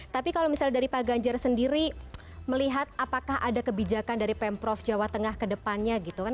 tapi kalau misalnya dari pak ganjar sendiri melihat apakah ada kebijakan dari pemprov jawa tengah ke depannya gitu kan